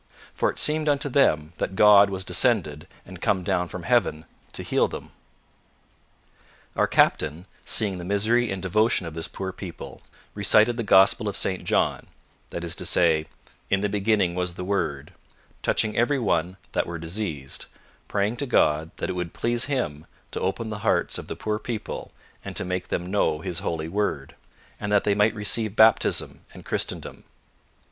For it seemed unto them that God was descended and come down from heaven to heal them. Our captain, seeing the misery and devotion of this poor people, recited the Gospel of St John, that is to say, 'IN THE BEGINNING WAS THE WORD,' touching every one that were diseased, praying to God that it would please Him to open the hearts of the poor people and to make them know His Holy Word, and that they might receive baptism and christendom.